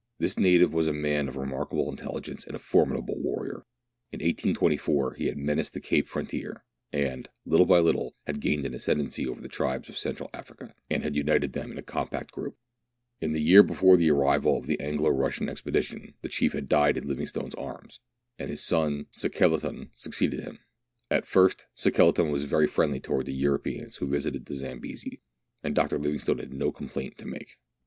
This native was a man of remark able intelligence, and a formidable warrior. In 1824 he had menaced the Cape frontier, and, Uttle by little, had THREE ENGLISHMEN AND THREE RUSSIANS. J55 gained an ascendency over the tribes of Central Africa, and had united them in a compact group. In the year before the arrival of the Anglo Russian expedition the chief had died in Livingstone's arms, and his son Sekeleton succeeded him. At first Sekeleton was very friendly towards the Euro peans who visited the Zambesi, and Dr. Livingstone had no complaint to make.